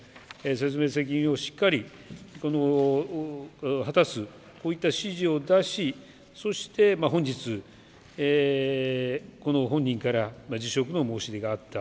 説明責任をしっかり果たす、こういった指示を出し、そして本日、この本人から辞職の申し出があった。